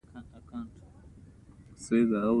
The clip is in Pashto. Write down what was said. د واده اړیکه باید د دوستی په شان قوي وي.